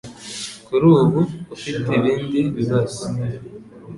Kuri ubu ufite ibindi bibazo